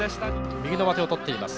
右の上手を取っています。